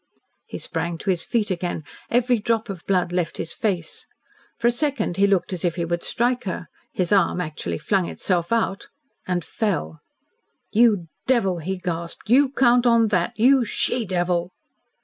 He sprang to his feet again. Every drop of blood left his face. For a second he looked as if he would strike her. His arm actually flung itself out and fell. "You devil!" he gasped. "You count on that? You she devil!"